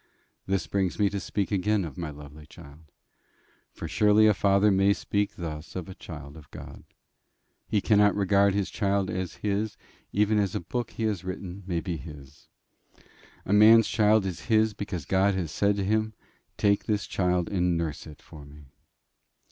This brings me to speak again of my lovely child. For surely a father may speak thus of a child of God. He cannot regard his child as his even as a book he has written may be his. A man's child is his because God has said to him, "Take this child and nurse it for me."